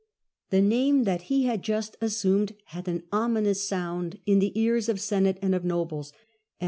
The name that he had just assumed had an ominous sound in the ears of Senate and of nobles ; and M.